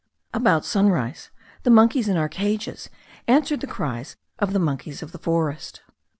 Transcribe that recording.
About sunrise the monkeys in our cages answered the cries of the monkeys of the forest.